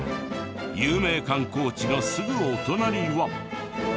有名観光地のすぐお隣は。